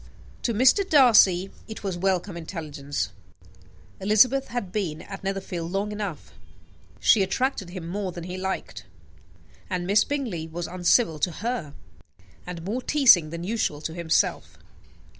To Mr. Darcy it was welcome intelligence: Elizabeth had been at Netherfield long enough. She attracted him more than he liked; and Miss Bingley was uncivil to her and more teasing than usual to himself.